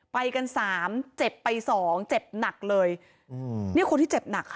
ไปกันสามเจ็บไปสองเจ็บหนักเลยอืมเนี่ยคนที่เจ็บหนักค่ะ